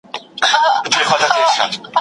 بنسټیزه څیړنه د علم د نوښت لپاره لازمي ده.